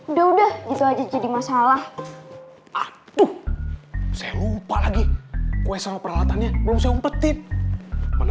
udah udah itu aja jadi masalah aduh saya lupa lagi kue selalu peralatannya belum sempetin mana